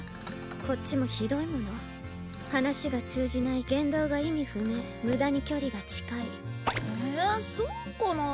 こっちもひどいもの話が通じない言動が意味不明無駄に距離が近いえっそうかなあ？